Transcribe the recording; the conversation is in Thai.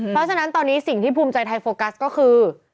เพราะฉะนั้นตอนนี้สิ่งที่ภูมิใจไทยโฟกัสก็คือ